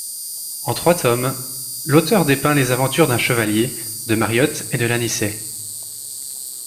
En trois tomes, l'auteur dépeint les aventures d'un Chevalier, de Mariotte et de l'Anicet.